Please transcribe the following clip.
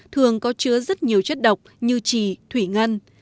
thường có chứa rất nhiều chất độc như trì thủy ngân